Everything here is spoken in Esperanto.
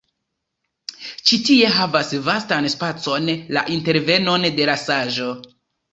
Ĉi tie havas vastan spacon la interveno de la saĝo.